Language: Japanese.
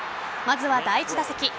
まずは第１打席。